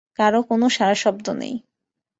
কারো কোনো সাড়া শব্দ নেই।